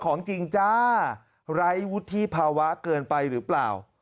ของจริงจ้าไร้วุฒิภาวะเกินไปหรือเปล่า